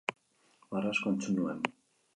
Barre asko entzun nuen.